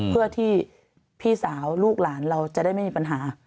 เพื่อที่พี่สาวลูกหลานเราจะได้ไม่มีปัญหา